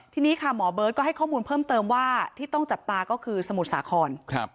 ทีนี้ค่ะหมอเบิร์ตก็ให้ข้อมูลเพิ่มเติมว่าที่ต้องจับตาก็คือสมุทรสาคร